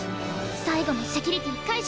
最後のセキュリティー解除！